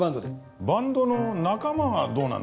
バンドの仲間はどうなんだ？